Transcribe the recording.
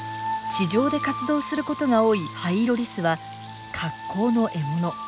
地上で活動することが多いハイイロリスは格好の獲物。